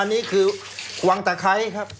อันนี้คือวังตะไคร้ครับ